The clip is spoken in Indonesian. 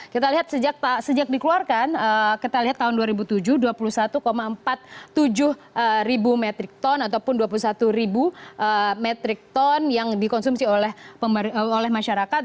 kita lihat sejak dikeluarkan kita lihat tahun dua ribu tujuh dua puluh satu empat puluh tujuh ribu metrik ton ataupun dua puluh satu ribu metrik ton yang dikonsumsi oleh masyarakat